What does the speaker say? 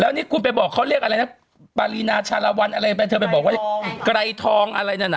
นี่คุณไปบอกเขาเรียกอะไรนะปารีนาชาลวันอะไรไปเธอไปบอกว่าไกรทองอะไรนั่นน่ะ